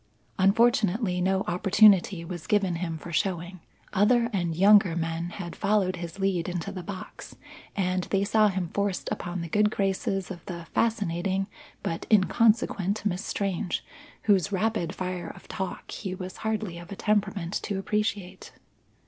Unfortunately, no opportunity was given him for showing. Other and younger men had followed his lead into the box, and they saw him forced upon the good graces of the fascinating but inconsequent Miss Strange whose rapid fire of talk he was hardly of a temperament to appreciate.